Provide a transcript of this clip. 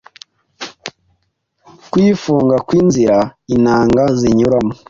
kwifunga kw’inzira intanga zinyuramo